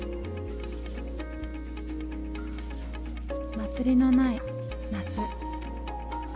祭りのない夏。